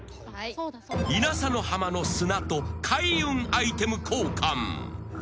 ［稲佐の浜の砂と開運アイテム交換］